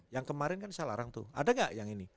yang kemarin kan saya larang tuh ada nggak yang ini